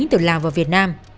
từ lào vào việt nam